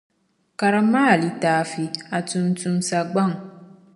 Karimmi a litaafi,a tuuntumsa gbaŋ.